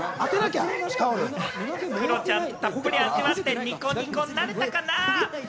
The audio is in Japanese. クロちゃん、たっぷり味わってニコニコになれたかな？